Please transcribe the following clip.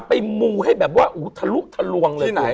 ที่ไหน